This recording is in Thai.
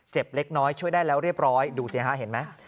เล็กน้อยช่วยได้แล้วเรียบร้อยดูสิฮะเห็นไหม